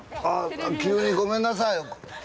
ああ急にごめんなさい。